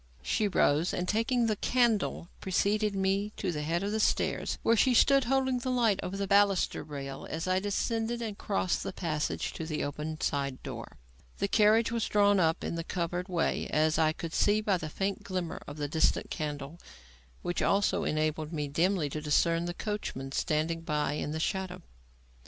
She rose, and, taking the candle, preceded me to the head of the stairs, where she stood holding the light over the baluster rail as I descended and crossed the passage to the open side door. The carriage was drawn up in the covered way as I could see by the faint glimmer of the distant candle; which also enabled me dimly to discern the coachman standing close by in the shadow.